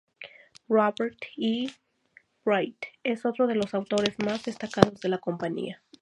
Robert E. Wright es otro de los autores más destacados de la compañía.